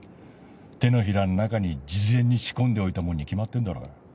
手のひらの中に事前に仕込んでおいたもんに決まってんだろ。